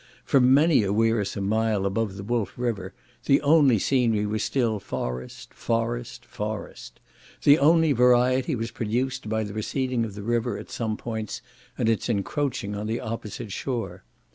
For many a wearisome mile above the Wolf River the only scenery was still forest—forest—forest; the only variety was produced by the receding of the river at some points, and its encroaching on the opposite shore.